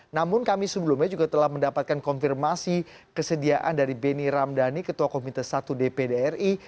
namun kami sebelumnya juga telah mendapatkan konfirmasi kesediaan dari benny ramdhani ketua komite satu dpd ri